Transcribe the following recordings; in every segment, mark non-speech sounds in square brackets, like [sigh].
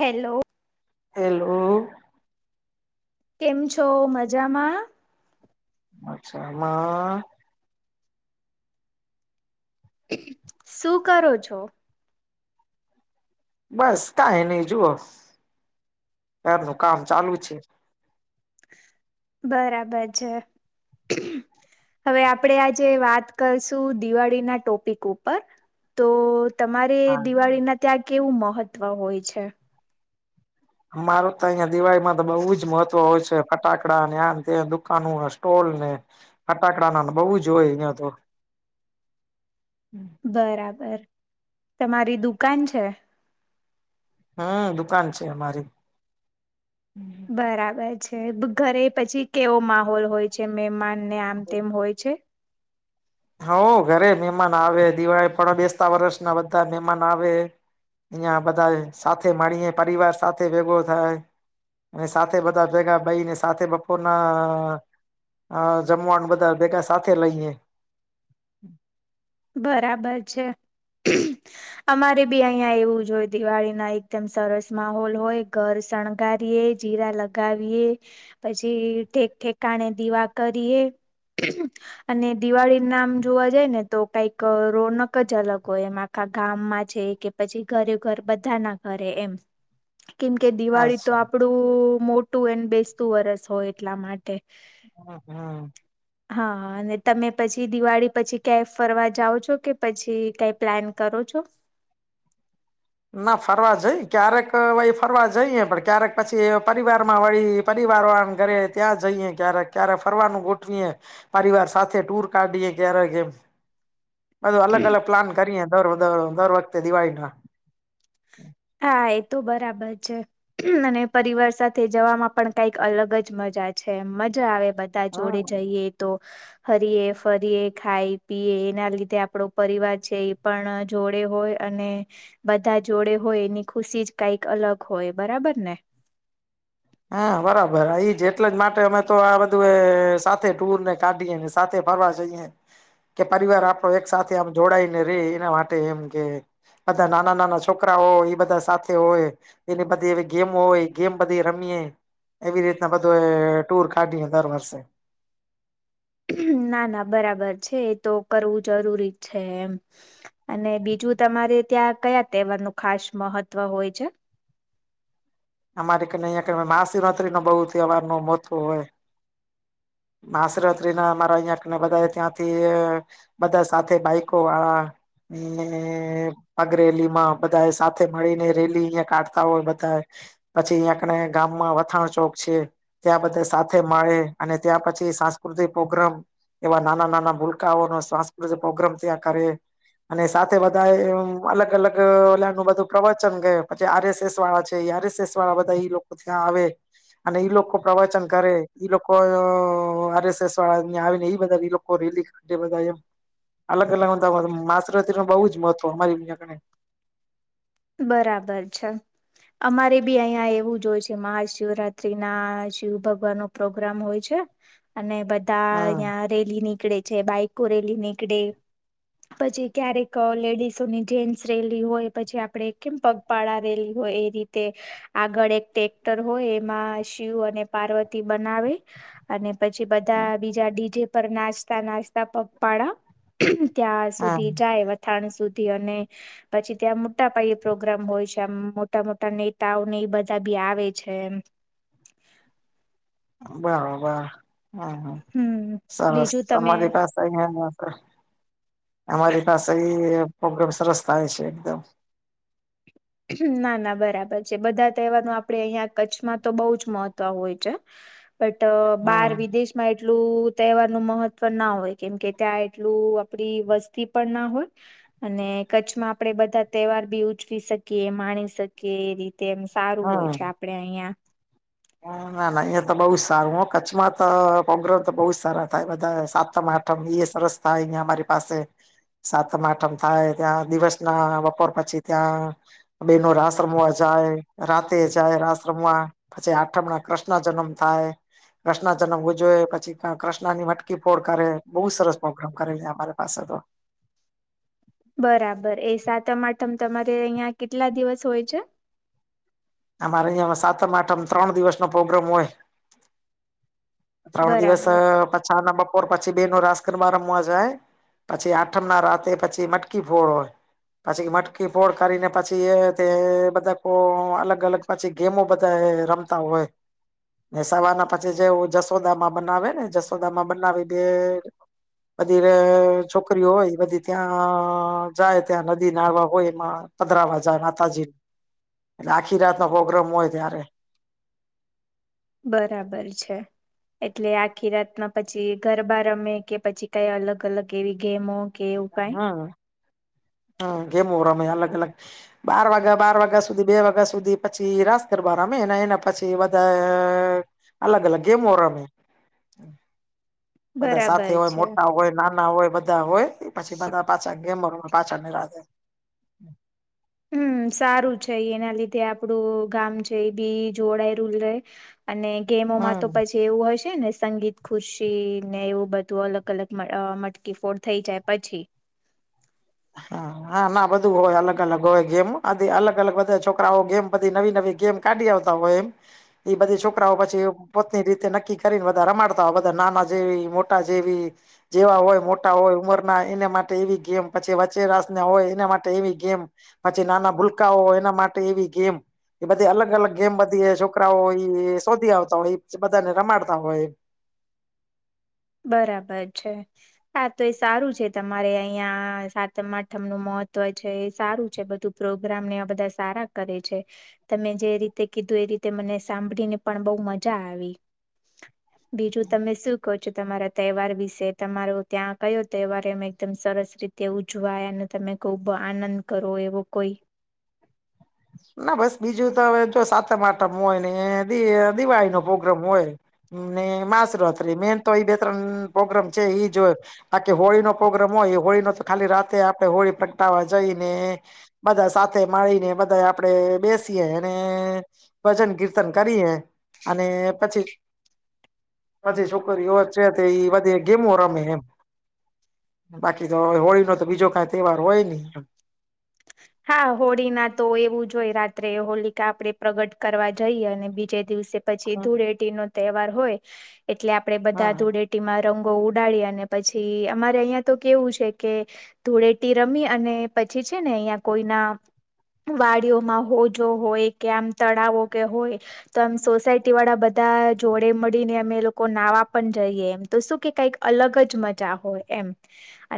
Hello hello કેમ છો મજામાં મજામાં શું કરો છો બસ કાય નહી જુઓ આપણુ કામ ચાલુ છે બરાબર છે હવે આપણેે આજે વાત કરશું દિવાળી ના ટોપિક ઉપર તો તમારે હા દિવાળી ના ત્યાં કેવું મહત્વ હોય છે મારું ત્યાં દિવાળમાં તો બહું જ મહત્વ હોય છે ફટાકડા આમ તેમ બધુ નું સ્ટોલ ને ફટાકડા ના બહુ જો હોય અહિયાં તો બરાબર તમારી દુકાન છે હમ દુકાન છે અમારી બરાબર છે ઘરે પછી કેવો માહોલ હોય છે મેમાન અને આમ તેમ હોય છે હવ ઘરે મહેમાન આવે દિવાળી પણ બેસતા વર્ષના બધા મહેમાન આવે અહીં બધા સાથે મળીએ પરિવાર સાથે ભેગો થાય અને સાથે બધા ભેગા બઈને સાથે બપોરના હા જમવાનું બધા ભેગા સાથે લઈએે [inaudible] બરાબર છે. અમારે બી અહીંયા એવું જ હોય. દિવાળીના એકદમ સરસ માહોલ હોય ઘર શણગારીએ, જીરા લગાવીએ પછી ઠેકઠેકાણે દીવા કરીએ.. અને દિવાળીના આમ જોવા જાય ને.. તો કંઈક રોનક જ અલગ હોય! એમ આખા ગામમાં છે કે પછી ઘરે ઘર બધા ના ઘરે એમ.. કેમ કે દિવાળી તો અચ્છા આપણુ... મોટું અને બેસતું વર્ષ હોય એટલા માટે.. હમ. હમ હા.. અને તમે પછી દિવાળી પછી કેફ... ફરવા જાવ છો? કે પછી કઈ પ્લાન કરો છો? ના ફરવા જઈએ. ક્યારેક વળી ફરવા જઈએ પણ ક્યારેક પછી પરિવાર માં વળી.. પરિવારો આમ ઘરે ત્યાં.. જઈએ ક્યારેક ક્યારેક ફરવાનું ગોઠવીએ પરિવાર સાથે ટુર કાઢીએ ક્યારેક એમ.. બધું અલગ અલગ પ્લાન કરીએ દર વધ દર વખતે દિવાળી ના હા.. એ તો બરાબર છે. અને પરિવાર સાથે જવામાં પણ કંઈક અલગ જ મજા છે! મજા આવે બધા હા જોડે જઈએ તો હરીએ- ફરીયએ, ખાઇ-પીએ એના લીધે આપણો પરિવાર છે એ પણ જોડે હોય અને બધા જોડે. હોય એની ખુશી જ કઈક અલગ હોય. બરાબર ને? હા.. બરાબર એ જ એટલે જ માટે. અમે તો આ બધું સાથે ટુરને કાઢીએ સાથે ફરવા જઈએ કે પરિવાર આપણો એક સાથે આમ જોડાયને રહે. એના માટે એમ કે બધા નાના-નાના છોકરા હોય એ બધા સાથે હોય. એને બધી એવી ગેમ હોય ગેમ બધી રમીએ એવી રીતના બધું એ ટૂર કાઢીને દર વર્ષે. ના.. ના બરાબર છે. એ તો કરવું જરૂરી છે એમ અને બીજું તમારે ત્યાં કયા તહેવારનું ખાસ મહત્વ હોય છે? અમારે અહીં મહાશિવરાત્રીનો બહુ તહેવાર ન મ.... હોવે... મહાશિવરાત્રી ના મારા અહિયાં કણે બધા ત્યાંથી... બધા સાથે બાઈક... ઇકો વાળા ને.... અગરેલી માં બધા એ સાથે મળી ને રેલી અહિંયા કાઢતા હોય.. [inaudible] પછી ત્યાં કને ગામમાં વથાણ ચોક છે. ત્યાં બધા સાથે મળે અને... સાંસ્કૃતિક પ્રોગ્રામ... એવા નાના-નાના ભૂલકાઓનો સાંસ્કૃતિક પ્રોગ્રામ ત્યાં કરે અને સાથે બધા અલગ અલગ ઓલ્યા નુબધું... પ્રવચન કરે પછી આર. એસ. એસ વાળા છે આર. એસ. એસ. વાળા બધા એઈ લોકો ત્યાં આવે... અને ઈ લોકો પ્રવચન કરે ઈ લોકો.. હ.... મ્હારે સે યાહ થઈ બા એ લોકો રેલી કાઢી બધા એમ અલગલા માસરત ન બહુ જ મહવ અમારી ઈયા કને બરાબર છે અમારે બી અહિયાયા એવું જ હોય છે. મહાશિવરાત્રી ના શિવ ભગવાન નું પ્રોગ્રામ હોય છે અને બધા હમ ધાયા રેલીની ે છે બાઈકો રેલી નીકડે પછી ક્યારેક લેડીસોની જેન્ટ્સ રેલી હોય પછી આપડે કેમ પગપાળા રેલી હોય એ રીતે આગળ એક ્રેક્ટર હોય એમાં શિવ અને પાર્વતી બનાવે અને પછી બધા બીજા ડીજે પર નાસ્તા નાસ્તા પગપાડા ત્યાં હા સુધી જાય વથાણ સુધી ટી અને પછી ત્યાં મોટા પાયે પ્રોગ્રામ હોય છે આમ મોટા મોટા નેતાઓને એ બધા બી આવે છે એમ બરાબર હ હ હમ સરસ બીજું તમે તમારી પાસે બો મોકો અમારી પાસે બી હોત પ્રોગ્રમ સરસ થાય છે એકદમ ના ના બરાબર છે બધા તહેવાર ન આપડે અહિયાં કચ્છમાં તો બઉ જ મહત્વ હોય છે. બટ બાર હમ વિદેશમાં ટલું તહેવાર નું મહત્વ ના હોય કેમકે ત્યાં એટલું આપડી વસ્તી પણ ના હોય અને કચ્છમાં આપડે બધા તહેવાર બી ઉચકી શક કે માણસ કે રીત તેમ સારું હોય છે આપડે અહિયાં હ ના ના અયા તો બઉ જ સારું હ કચ્છમાં તો પોગ્ર તો બઉ સર થાય બધા સાતમ આઠમ સરસ થાય ને અમારી પાસે સાતમ આઠમ થાય. ત્યા દિવસના બપોર પછી ત્યાં બેનો રાસ રમવા જાય રાતે જાય રાસ રમવા. પછી આઠમણા કૃસ ના જન્મ થાય. પ્રશ્ના જન્મ જોએ પછી કૃષ્ણ ની મટકી ફોડ કરે બઉ સરસ પ્રોગ્રામ કરે અમારા પાશ તો બરાબર એ સાતમ આઠમ તમારે અહિયાં કેટલા દિવસ હોય છે. અમારે અહિયાં સાતમ આઠમ ત્રણ દિવસ નો પ્રોગ્રામ હોય. ત્રણ દિવસ બરાબર પછા ના પર પછી બેનો રાસ ગરબા રમવા જાય પછી આઠમ ના રાતે પછી મટકી ફોડ હોય પછી મટકી ફોડ કરીને પછી એ તે બધા ઓ અલગ અલગ પછી ગેમો બધા રમતા હોય ને સવાર ના પછી જવ જસ દામાં બનાવે ને જસોદામાં બનાવી બે બધી છોકરીઓ હોય બધી ત્યાં જાય ત્યાં નદી નાવા હોય એમાં પધરાવા જાય માતાજી. આખી રાતનો પ્રોગ્રામ હોય ત્યારે. બરાબર છે. એટલે આખી રાતના પછી ગરબા રમે કે પછી કઈ અલગ અલગ એવી ગેમો. કે એવું કઈ હમ હમ ગેમ રમે અલગ અલગ બાર વાગ્યા બાર વાગ્યા સુધી બે વાગ્યા સુધી પછી રાસ ગરબા રમે ને એના પછી બધા અલગ અલગ ગેમો રમે. બધા સાથે બરાબર હોય છે. મોટા હોય ના ના હોય બધા હોય પછી બધા પાચા ગયા મવા પાચાને રાતે હમ સારું છે એના લીધે આપડું ગામ છે બી જોડાય રૂલ ર અને ગેમોમાં હમ તો પછી એવું હશે છે ને સંગીત ખુશી ને એવું બધું અલગ અલગ મટકી ફોડ થઈ જાય પછી હા હા ના બધું હોય અલગ અલગ હોય ગેમ આધ અલગ અલગ બધા છોકરાઓ ગેમ બધી નવી નવી ગેમ કાઢી આવતા હોય એમ એ બધી છોકરાઓ પછી પોતની રીતે નક્કી કરીને બધા રમાડતા હોય બધા નાના જેવી મોટા જેવી જેવા હોય મોટા હોય ઉમર ના એના માટે એવી ગેમ પછી વચે રાસ ને હોય એના માટે એવી ગેમ પછી નાના ભૂલકાઓ એના માટે એવી ગેમ કે બધી અલગ અલગ ગેમ બધી છોકરાઓ એ શોધી આવતા હોય બધાને રમાડતા હોય બરાબર છે હા તો એ સારું છે તમારે અહં સાતમ આઠમનુંું મહત્વ છે એ સારું છે બધું પ્રોગ્રામને બધા સારા કરે છે તમે જે રીતે કીધું એ રીતે મને સાંભળીને પણ બહુ મજા આવી બીજું તમે શું કો તમારા તહેવાર વિશે તમારો ત્યાં કયો તહેવાર એ એકદમ સરસ રીતે ઉજવાય અને તમે ખૂબ આનંદ કરો એવો કોઈ ના બસ બીજું તો હવે સાતમ આટમ હોય ને દિવાળી નો પ્રોગ્રામ હોય માસ રાત્રી મેન તો એ બે ત્રણ પ્રોગ્રામ છે એઈ જ હોય બાકી હોળી નો પ્રોગ્રામ હોય હોળી નો તો ખાલી રાતે આપે હોળી પ્રગટાવા જઈ ને બધા સાત માળી ને- આપે બેસીએ અને ભજન કીર્તન કરીએ અને પછી પછી છોકરી છે એ બધે ગેમો રમે એમ બાકી હોળી નો તો બીજો કાક હા હોળી ના તો એવુંજ જોઈ રાત્રે હોલિકા આપડે પ્રગટ કરવા જઈએ અને બીજે દિવસે પછી ધૂળેટી નો તહેવાર હોય એટલે આપડે હ હ બધા ધૂળેટીમાં રંગો ઉડાડી અને પછી અમારે અહિયાં તો કેવું છે કે ધોળે રમી અને પછી છે ને અહિયાં કોઈના વાડીઓમાં હોજ જો હોય કે આમ તળાવો કે હોય તો એમ સોસાયટી વાળા બધા જોડે મળીને અમે એ લોકો નાવા પણ જઈએ એમ તો શું કે કઈક અલગ જ મજા હોય એમ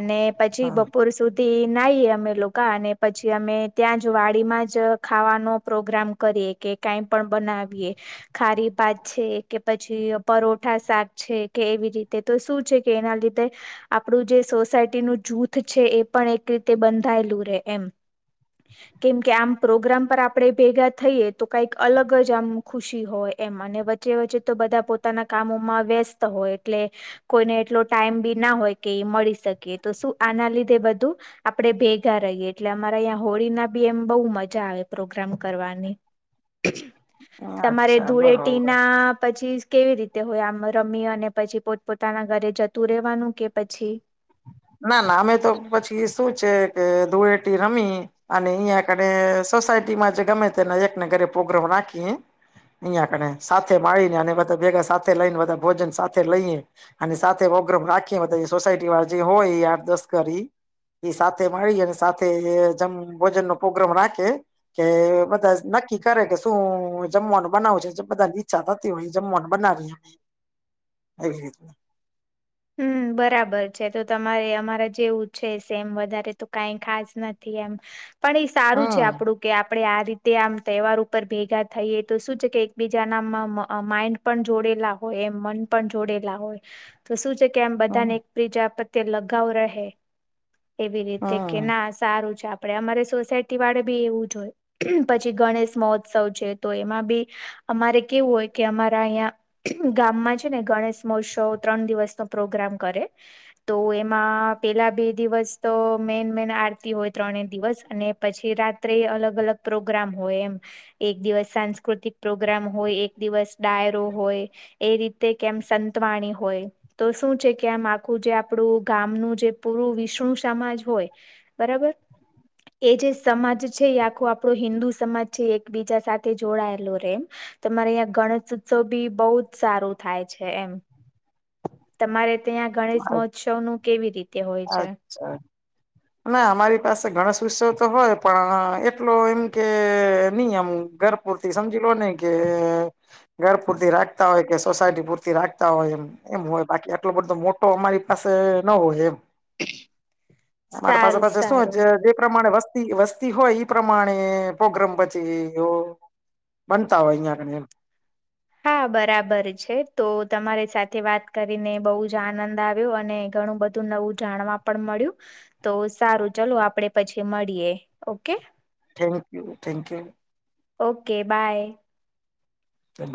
અને પછી હ બપોર સુધ નાહીએ અમે લોકો અને પછી અમે ત્યાં જ વાડીમાં જ ખાવાનો પ્રોગ્રામ કરીએ કે કાંઈ પણ બનાવીએ ખારી ભાત છે કે પછી પરોઠા શાક છે કે એવી રીતે તો શું છે કે એના લીધે આપણું જે સોસાયટી ન જૂથ છે એ પણ એક રીતે બંધાયેલું રે એમ કેમ કે આમ પ્રોગ્રામ પર આપે ભેગા થઈએ તો કઈક અલગ જ આમ ખુશી હોય એમ અને વચ્ચે વચ્ચે તો બધા પોતાના કામોમાં વ્યસ્ત હોય એટલે કોઈને એટલો ટાઈમ બી ના હોય કે એ મળી શકે તો શું આના લીધે બધા આપડે ભેગા રહીએ, એટલે અમારા અં હોળી ના બી એમ બહુ મજા આવે પ્રોગ્રામ કરવાની તમારે અચ્છા ધૂળેટી બરોબર ના પછી કેવી રીતે હોય, આમ રમી અને પછી પોતપ પોતાના ઘરે જતું રેવાનું કે પછી ના ના અમે તો પછી શું છે, કે ધૂળેટી રમી અને અહં કને સોસાયટીમાં જે ગમે તેને એકને ઘરે પ્રોગ્રામ રાખી અહિયાયા કને સાથે મળીને અને બધા ભેગા સાથે લઈને બધા ભોજન સાથે લઈએ અને સાથે પ્રોગ્રામ રાખીએ બધા સોસાયટી વાળ જે હોય એ આઠ દસ કરી એ સાથે મળી અને સાથે જેમ ભોજન નો પ્રોગ્રામ રાખે, કે મ ન કી કરે કે શું જમવાનું બનાવું છે, જે બધાની ઈચ્છા થતી હોય જમવાનું બનાવી એવી રીત હમ્મ, બરાબર છે તો તમારે અમારા જેવું છે, સેમ વધારે તો કઈ ખાસ નથી એમ પણ એ સારું છે, હમ આપણું કે આપડે આ રીતે આમ તહેવાર ઉપર ભેગા થઈએ તો શું છે, કે એકબીજાના માઈન્ડ પણ જોડેલા હોય એમ મન પણ જોડેલા હોય તો શું છે, કેમ બધાને હમ એક પ્રજા તે લગાવ રહે એવી રીતે કે હમ ના સારું છે, આપ આપડે અમારે સોસાયટી વાળે બી એવું જ હોય પછી ગણેશ મહોત્સવ છે, તો એમાં બી અમારે કેવું હોય કે અમારા અહં ગામમાં છે, ને ગણેશ મહોત્સવ ત્રણ દિવસનોો પ્રોગ્રામ કરે તો એમાં પેલા બે દિવસ તો મેન મેન આરતી હોય, ત્રણે દિવસ અને પછી રાત્રે અલગ અલગ પ્રોગ્રામ હોય, એમ એક દિવસ સાંસ્કૃતિક પ્રોગ્રામ હોય, એક દિવસ ડાયરો હોય એ રીતે કેમ સંતવાણી હોય, હોય તો શું છે, કે આમ આખું જે આપણું ગામનું જે પૂરું વિષ્ણુ સમાજ હોય બરાબર એ જે સમાજ છે, એ આખું આપણો હિન્દુ સમાજ છે, એકબીજા સાથે જોડાયેલો રે એમ તમારે અં ગણેશ ઉત્સવ બી બહુ જ સારું થાય છે, એમ તમારે ત્યાં ગણેશ મહોત્સવ નું કેવી રીતે હોય છે, અચ્છા ના અમારી પાસે ગણેશ ઉત્સવ તો હોય પણ એટલો એમ કે નહીયમ ઘર પૂરતી સમજી લો નને કે ઘર પૂરતી રાખ [inaudible] સોસાયટી પૂરતી રાખતા હોય એમ એમ હોય બાકી આટલો બધો મોટ તો અમારી પાસે ન હોય એ અમારી પાસે સારું પાછ શું સારું જે પ્રમાણે વસ્ત વસ્તી હોય ઈ પ્રમાણે પોગ્રમ બચી બનતા હોય અહિયાંગ એમ હા બરાબર છે, તો તમારી સાથે વાત કરીને બહુ જ આનંદ આવ્યો અને ઘણું બધું નવું જાણવા પણ મળ્યું તો સારું ચાલો આપડે પછી મળીએ. Okay thank you thank you okay bye તે બ